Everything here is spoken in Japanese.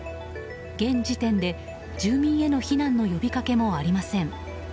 現時点で住民への避難の呼びかけもありません。